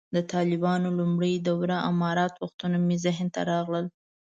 د طالبانو د لومړۍ دورې امارت وختونه مې ذهن ته راغلل.